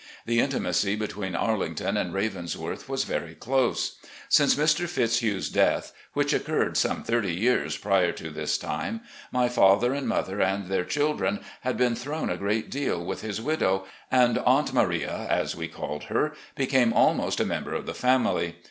The intimacy between "Arlington" and " Ravensworth " was very close. Since Mr. Fitzhugh's death, which occurred some thirty years prior to this time, my father and mother and their children had been thrown a great deal with his widow, and ''Atmt Maria," as we called her, became almost a member of the family.